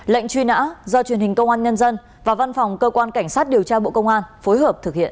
lệnh truy nã do truyền hình công an nhân dân và văn phòng cơ quan cảnh sát điều tra bộ công an phối hợp thực hiện